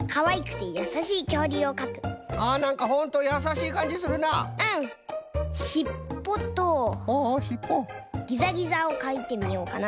しっぽとギザギザをかいてみようかな。